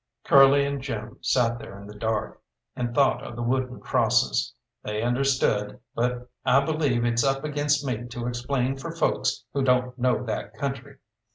Curly and Jim sat there in the dark, and thought of the wooden crosses. They understood, but I believe it's up against me to explain for folks who don't know that country.